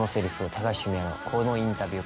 高橋文哉のこのインタビュー